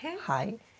はい。